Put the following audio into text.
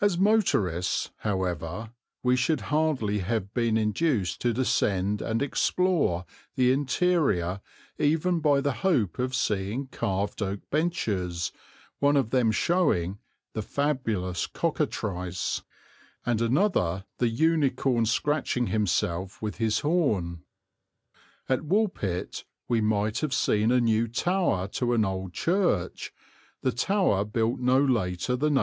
As motorists, however, we should hardly have been induced to descend and explore the interior even by the hope of seeing carved oak benches, one of them showing "the fabulous cockatrice" and another the unicorn scratching himself with his horn. At Woolpit we might have seen a new tower to an old church, the tower built no later than 1854.